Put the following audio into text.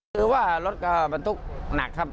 คือว่ารถก็บรรทุกหนักครับ